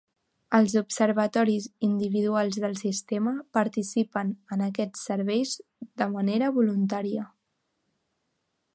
Els observatoris individuals del sistema participen en aquests serveis de manera voluntària.